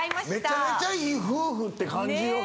めちゃめちゃいい夫婦って感じ。